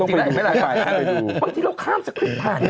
ต้องไปดูต้องไปดูต้องไปดู